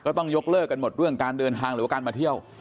ต้องยกเลิกกันหมดเรื่องการเดินทางหรือว่าการมาเที่ยว